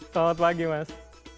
selamat pagi mas